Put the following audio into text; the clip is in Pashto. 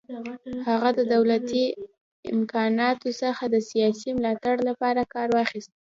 هغه د دولتي امکاناتو څخه د سیاسي ملاتړ لپاره کار واخیست.